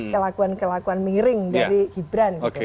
kelakuan kelakuan miring dari gibran